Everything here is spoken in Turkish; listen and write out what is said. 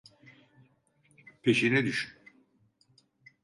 Peşine düşün!